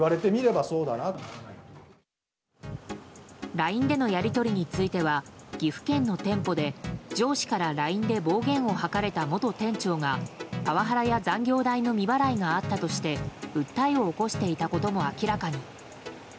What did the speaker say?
ＬＩＮＥでのやり取りについては岐阜県の店舗で上司からＬＩＮＥで暴言を吐かれた元店長がパワハラや残業代の未払いがあったとして訴えを起こしていたことも明らかに。